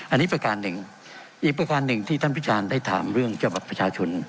อันนี้ประการหนึ่งอีกประการหนึ่งที่ท่านพิจารณ์ได้ถามเรื่องฉบับประชาชน